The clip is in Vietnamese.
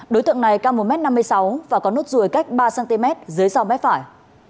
đối tượng này cao một m năm mươi sáu và có nốt ruồi cách ba cm dưới sau mép phải